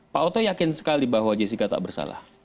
pak oto yakin sekali bahwa jessica tak bersalah